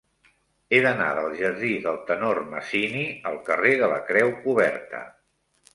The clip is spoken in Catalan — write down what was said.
He d'anar del jardí del Tenor Masini al carrer de la Creu Coberta.